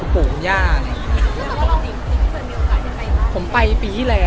คนมีอะไรเลย